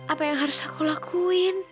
apa yang harus aku lakuin